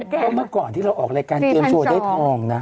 ก็เมื่อก่อนที่เราออกรายการเตรียมโชว์ได้ทองนะ